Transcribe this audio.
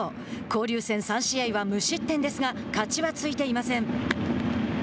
交流戦３試合は無失点ですが勝ちはついていません。